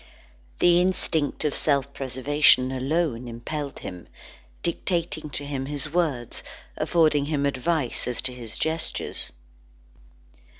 The instinct of self preservation alone impelled him, dictating to him his words, affording him advice as to his gestures.